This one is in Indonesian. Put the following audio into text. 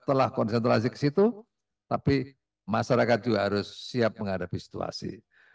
telah konsentrasi ke situ tapi masyarakat juga harus siap menghadapi situasi